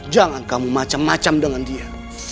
jangan kamu macam macam dengan dia